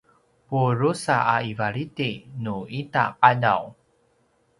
pudrusa a ivalidi nu ita qadaw